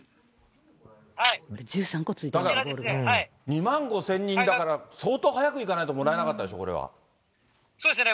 ２万５０００人だから、相当早く行かないともらえなかったでそうですね。